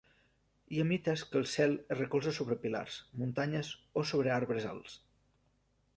Hi ha mites que el cel es recolza sobre pilars, muntanyes o sobre arbres alts.